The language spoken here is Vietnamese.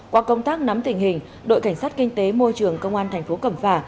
qua công tác nắm tình hình đội cảnh sát kinh tế môi trường công an tp cầm phả